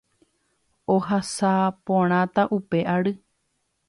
ohasaporãta upe ary